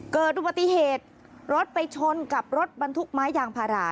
เกิดอุบัติเหตุรถไปชนกับรถบรรทุกไม้ยางพารา